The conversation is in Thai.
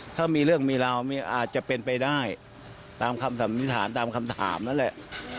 ถ้ามีเรื่องมีราวอาจจะเป็นไปได้ตามคำสันนิษฐานตามคำถามนั่นแหละ